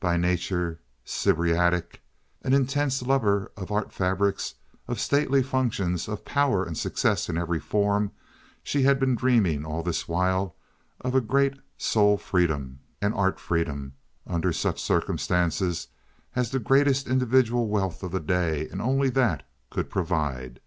By nature sybaritic, an intense lover of art fabrics, of stately functions, of power and success in every form, she had been dreaming all this while of a great soul freedom and art freedom under some such circumstances as the greatest individual wealth of the day, and only that, could provide.